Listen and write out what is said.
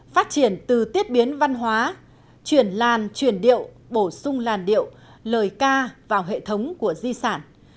phát triển từ tiết biến văn hóa chuyển làn chuyển điệu bổ sung làn điệu lời ca vào hệ thống của di sản